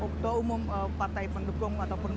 ketua umum partai pendukung ataupun